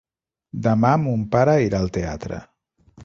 Demà mon pare irà al teatre.